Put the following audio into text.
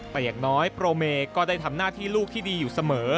แต่อย่างน้อยโปรเมก็ได้ทำหน้าที่ลูกที่ดีอยู่เสมอ